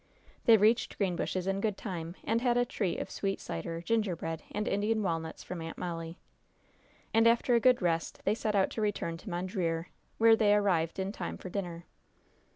They reached Greenbushes in good time, and had a treat of sweet cider, gingerbread and Indian walnuts from Aunt Molly. And after a good rest they set out to return to Mondreer, where they arrived in time for dinner.